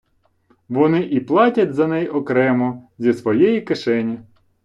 Вони і платять за неї окремо, зі своєї кишені.